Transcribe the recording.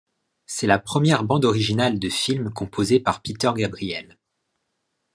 C'est la première bande originale de film composée par Peter Gabriel.